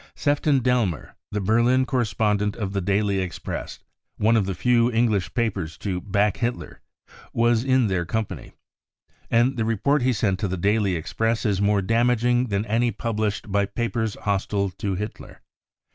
Sefton I Dehner, the Berlin correspondent of the. Daily Express , one ) of the few English papers to back Hitler, was in their com ■ pany. And the report he sent to the Daily Express is more damaging than any published by papers hostile to Hitler.